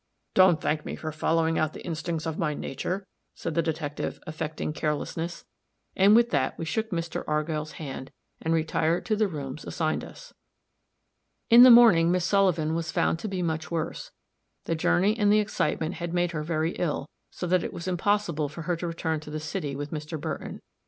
"Don't thank me for following out the instincts of my nature," said the detective, affecting carelessness; and with that we shook Mr. Argyll's hand, and retired to the rooms assigned us. In the morning Miss Sullivan was found to be much worse; the journey and the excitement had made her very ill, so that it was impossible for her to return to the city with Mr. Burton.